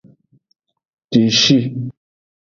Deshi.